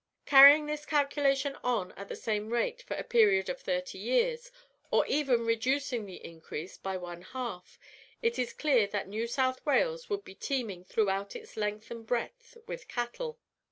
"Carrying this calculation on at the same rate for a period of thirty years, or even reducing the increase by one half, it is clear that New South Wales would be teeming throughout its length and breadth with cattle.